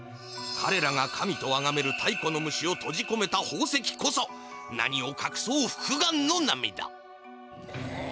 かれらが神とあがめる太古のムシをとじこめた宝石こそ何をかくそう複眼の涙。